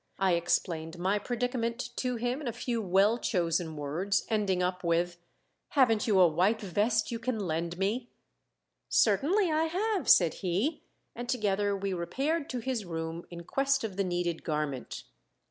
I explained my predicament to him in a few well chosen words, ending up with: "Haven't you a white vest you can lend me?" "Certainly I have," said he, and together we repaired to his room in quest of the needed garment.